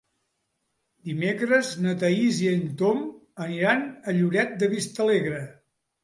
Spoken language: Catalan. Dimecres na Thaís i en Tom aniran a Lloret de Vistalegre.